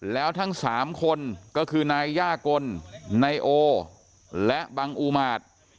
แล้วทั้งสามคนก็คือนายย่ากลไนโอและบังอูมาท